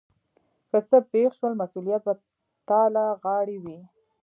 که څه پیښ شول مسؤلیت به تا له غاړې وي.